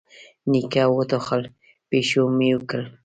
نيکه وټوخل، پيشو ميو کړل.